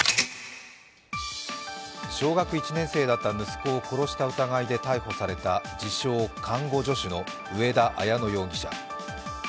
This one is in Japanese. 小学１年生だった息子を殺した疑いが逮捕された自称・看護助手の上田綾乃容疑者。